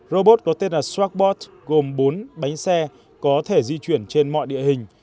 robot có tên là strackpot gồm bốn bánh xe có thể di chuyển trên mọi địa hình